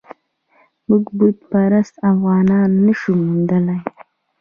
موږ بت پرست افغانان نه شو موندلای.